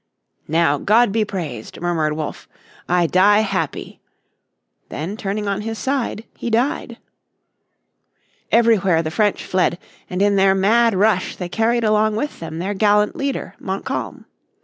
"Now God be praised," murmured Wolfe. "I die happy." Then turning on his side he died. Everywhere the French fled, and in their mad rush they carried along with them their gallant leader, Montcalm.